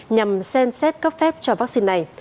nhằm xem xét cấp phép cho vaccine này